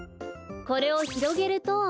これをひろげると。